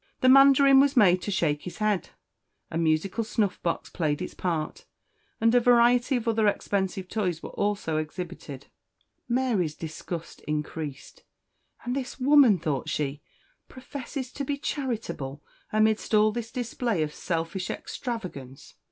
The mandarin was made to shake his head a musical snuffbox played its part and a variety of other expensive toys were also exhibited. Mary's disgust increased. "And this woman," thought she, "professes to be charitable amidst all this display of selfish extravagance.